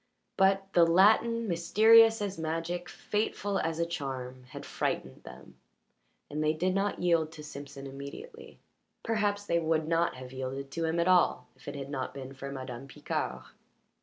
But the Latin, mysterious as magic, fateful as a charm, had frightened them, and they did not yield to Simpson immediately. Perhaps they would not have yielded to him at all if it had not been for Madame Picard.